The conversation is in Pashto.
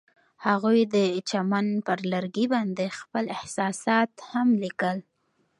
هغوی د چمن پر لرګي باندې خپل احساسات هم لیکل.